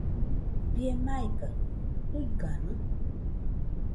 Bie maikajɨ¿tuigano?